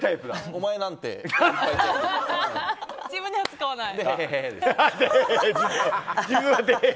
お前なんてって。